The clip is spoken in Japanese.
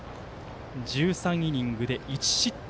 １３イニングで１失点。